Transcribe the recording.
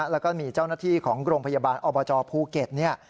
แล้วก็มีเจ้าหน้าที่ของโรงพยาบาลอบจภูเก็ตเนี่ย